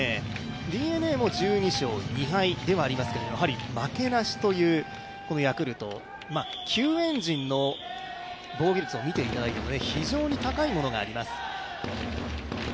ＤｅＮＡも１２勝２敗ではありますけれども、負けなしというヤクルト救援陣の防御率を見ていただいても非常に高いものがあります。